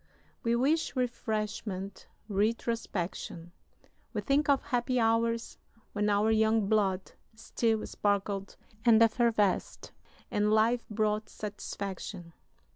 We wish refreshment, retrospection. We think of happy hours when our young blood still sparkled and effervesced and life brought satisfaction.